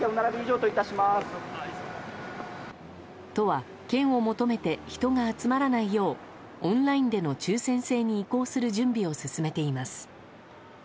都は、券を求めて人が集まらないようオンラインでの抽選制に移行する準備を進めています。